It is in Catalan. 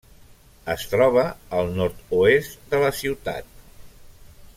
Es troba al nord-oest de la ciutat.